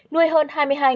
nuôi hơn hai mươi hai